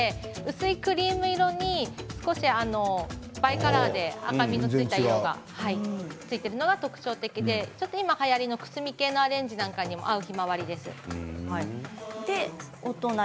薄いクリーム色に少しバイカラーで赤みのついたような色がついてるのは特徴で今はやりのくすみ系のアレンジなんかにも合うヒマワリです。